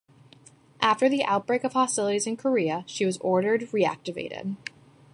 After the outbreak of hostilities in Korea, she was ordered reactivated.